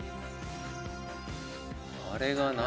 あれが何？